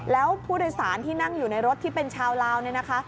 แล้วผู้โดยสารที่นั่งอยู่ในรถที่เป็นชาวลาวเนี่ยนะคะ